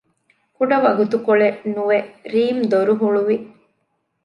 ކުޑަ ވަގުތުކޮޅެއް ނުވެ ރީމް ދޮރު ހުޅުވި